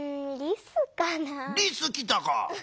リスきたか！